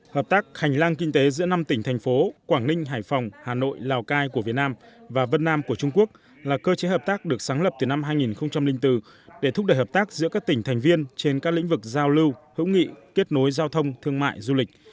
hợp tác hành lang kinh tế giữa năm tỉnh thành phố quảng ninh hải phòng hà nội lào cai của việt nam và vân nam của trung quốc là cơ chế hợp tác được sáng lập từ năm hai nghìn bốn để thúc đẩy hợp tác giữa các tỉnh thành viên trên các lĩnh vực giao lưu hữu nghị kết nối giao thông thương mại du lịch